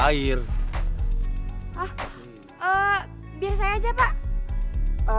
hah eh biar saya aja pak